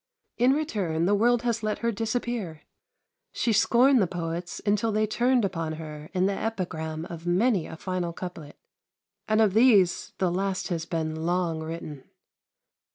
In return, the world has let her disappear. She scorned the poets until they turned upon her in the epigram of many a final couplet; and of these the last has been long written.